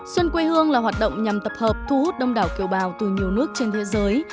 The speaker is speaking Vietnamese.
xuân quê hương là hoạt động nhằm tập hợp thu hút đông đảo kiều bào từ nhiều nước trên thế giới